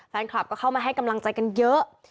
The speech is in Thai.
แฟนคลับก็เข้ามาให้กำลังใจกันเยอะ